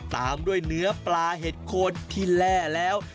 ตามด้วยเนื้อปลาเห็ดโคนที่แร่แล้ว